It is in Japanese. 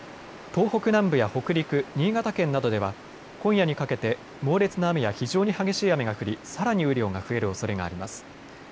東北南部や北陸、新潟県などでは今夜にかけて猛烈な雨や非常に激しい雨が降り、さらに雨量が増えるおそれがあります。